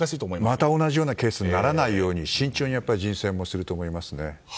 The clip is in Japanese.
また同じようなケースにならないように慎重に人選もすると思いますね。